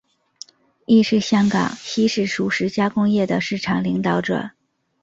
亦是香港西式熟食加工业的市场领导者。